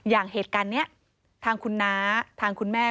อย่างเหตุการณ์นี้ทางคุณน้าทางคุณแม่